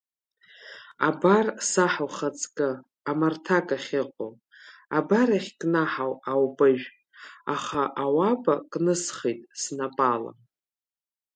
Абар, саҳ ухаҵкы, амарҭақ ахьыҟоу, абар иахькнаҳау аупыжә, аха ауапа кнысхит снапала.